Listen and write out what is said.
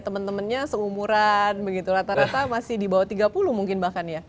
teman temannya seumuran begitu rata rata masih di bawah tiga puluh mungkin bahkan ya